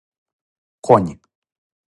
коњ